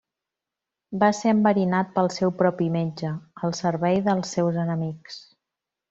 Va ser enverinat pel seu propi metge, al servei dels seus enemics.